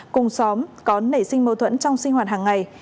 cùng xóm có nảy sinh mâu thuẫn trong sinh hoạt hàng ngày